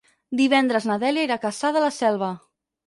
Divendres na Dèlia irà a Cassà de la Selva.